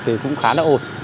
thì cũng khá là ổn